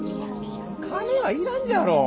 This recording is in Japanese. カメはいらんじゃろう。